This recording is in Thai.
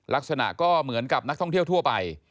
ลักษณะก็เหมือนกับนักท่องเที่ยวทั่วไป